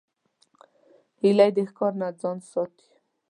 هیلۍ د ښکار نه ځان ساتي